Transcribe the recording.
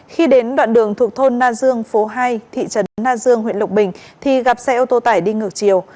khi đến đoạn đường thuộc thôn na dương phố hai thị trấn na dương huyện lộc bình thì gặp xe ô tô tải đi ngược chiều